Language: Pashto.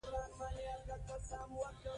کعبه د مسلمانانو قبله ده.